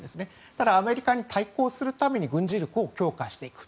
ただ、アメリカに対抗するために軍事力を強化していく。